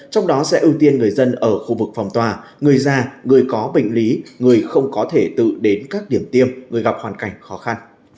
trong đó sẽ ưu tiên người dân ở khu vực phòng tòa người già người có bệnh lý người không có thể tự đến các điểm tiêm người gặp hoàn cảnh khó khăn